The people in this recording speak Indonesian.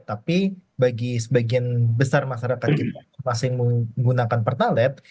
tapi bagi sebagian besar masyarakat kita yang masih menggunakan pertalat